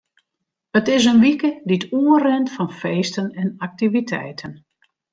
It is in wike dy't oerrint fan feesten en aktiviteiten.